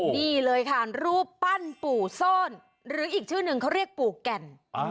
นี่เลยค่ะรูปปั้นปู่ซ่อนหรืออีกชื่อหนึ่งเขาเรียกปู่แก่น